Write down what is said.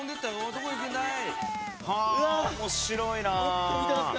どこ行くんだい？